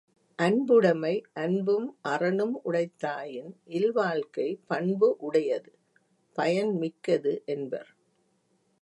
அன்புடைமை அன்பும் அறனும் உடைத்தாயின் இல்வாழ்க்கை பண்பு உடையது பயன்மிக்கது என்பர்.